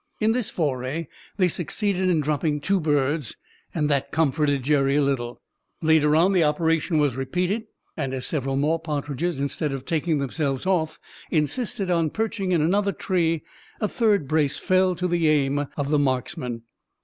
In this foray they succeeded in dropping two birds, and that comforted Jerry a little. Later on the operation was repeated; and as several more partridges, instead of taking themselves off, insisted on perching in another tree, a third brace fell to the aim of the marksmen.